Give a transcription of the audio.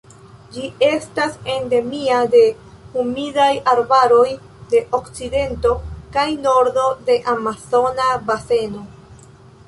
Ĝi estas endemia de humidaj arbaroj de okcidento kaj nordo de Amazona Baseno.